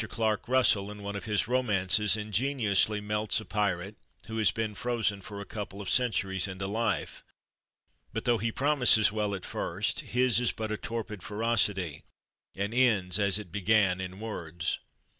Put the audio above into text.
Clark Russell, in one of his romances, ingeniously melts a pirate who has been frozen for a couple of centuries into life, but though he promises well at first, his is but a torpid ferocity, and ends, as it began, in words.